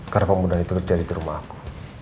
karena pemuda itu terjadi di rumah aku